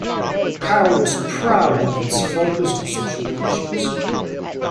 Carroll was proud of its focus on social issues.